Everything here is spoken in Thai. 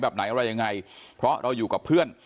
แบบไหนอะไรยังไงเพราะเราอยู่กับเพื่อน